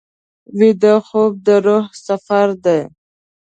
ویده خوب د روح سفر دی